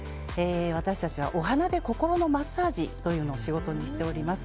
私たちは、お花で心のマッサージというのを仕事にしております。